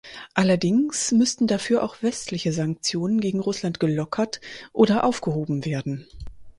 Allerdings müssten dafür auch westliche Sanktionen gegen Russland gelockert oder aufgehoben werden.